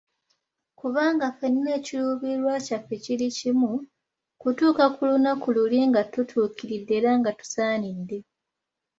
Kubanga ffenna ekiruubirirwa kyaffe kiri kimi, kutuuka ku lunaku luli nga tutuukiridde era nga tusaanidde.